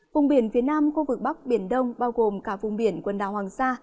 vùng biển phía nam khu vực bắc biển đông bao gồm cả vùng biển quần đảo hoàng sa